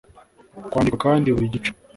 kwandikwa kandi buri gice